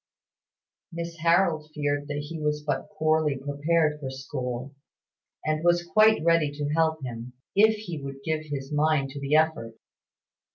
Miss Harold feared that he was but poorly prepared for school, and was quite ready to help him, if he would give his mind to the effort.